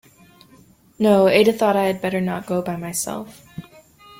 No, Ada thought I had better not go by myself.